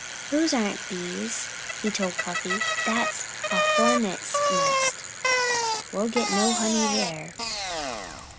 "Those aren't bees!" he told Cuffy. "That's a hornets' nest!... We'd get no honey there."